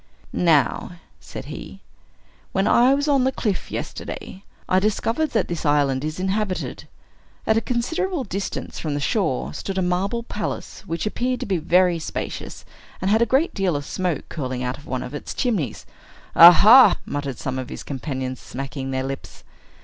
"Now," said he, "when I was on the cliff, yesterday, I discovered that this island is inhabited. At a considerable distance from the shore stood a marble palace, which appeared to be very spacious, and had a great deal of smoke curling out of one of its chimneys." "Aha!" muttered some of his companions, smacking their lips.